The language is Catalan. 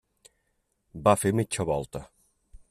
Va fer mitja volta.